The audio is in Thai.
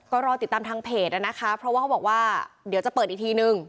ก็รอติดตามทางเพจนะคะเพราะว่าเขาบอกว่าเดี๋ยวจะเปิดอีกทีนึง